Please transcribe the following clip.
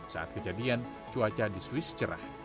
saat kejadian cuaca di swiss cerah